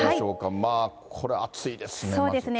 まあこれ、暑いですね。